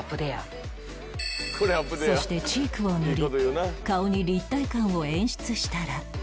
そしてチークを塗り顔に立体感を演出したら